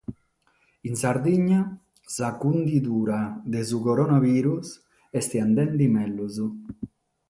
In Sardigna sa cundidura de su Coronavirus est andende mègius.